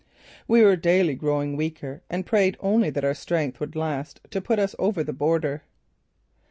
We were daily growing weaker and prayed only that our strength would last to put us over the border.